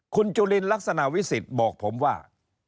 คุณจุลินลักษณะวิสิทธิ์บอกผมว่า